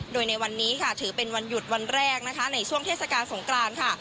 โดยในวันนี้ค่ะถือเป็นวันหยุดวันแรกนะคะในช่วงเทศกาลสงกรานค่ะ